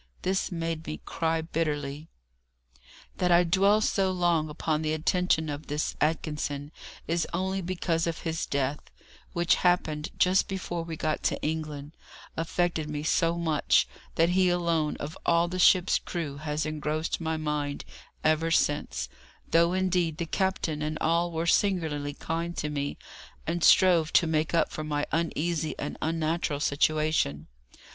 This made me cry bitterly. That I dwell so long upon the attention of this Atkinson is only because his death, which happened just before we got to England, affected me so much, that he alone of all the ship's crew has engrossed my mind ever since, though, indeed, the captain and all were singularly kind to me, and strove to make up for my uneasy and unnatural situation.